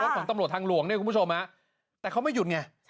ของตำรวจทางหลวงเนี่ยคุณผู้ชมแต่เขาไม่หยุดไง